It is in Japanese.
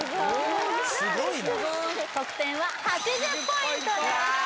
・すごい得点は８０ポイントです！